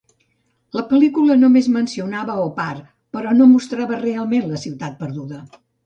La pel·lícula només mencionava Opar, però no mostrava realment la ciutat perduda.